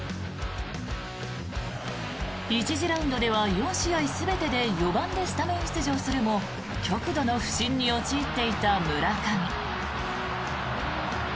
１次ラウンドでは４試合全てで４番でスタメン出場するものの極度の不振に陥っていた村上。